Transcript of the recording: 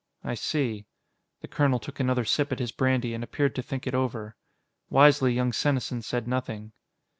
"I see." The colonel took another sip at his brandy and appeared to think it over. Wisely, young Senesin said nothing.